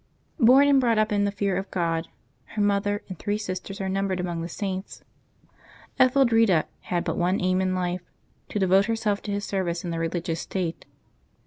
©ORN and brought up in the fear of God — her mother and three sisters are numbered among the Saints — Etheldreda had but one aim in life, to devote herself to His service in the religious state.